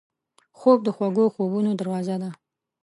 خوب د خوږو خوبونو دروازه ده